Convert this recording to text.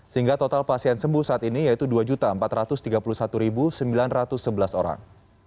sehingga total pasien sembuh saat ini yaitu dua empat ratus tiga puluh satu sembilan ratus sebelas orang